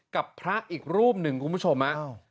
กับพระอีกรูปหนึ่งคุณผู้ชมอ่ะอ้าว